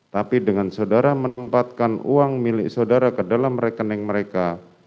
tapi dengan saudara menempatkan uang milik saudara ke dalam rekening mereka